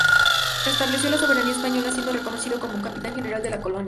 Restableció la soberanía española, siendo reconocido como Capitán General de la colonia.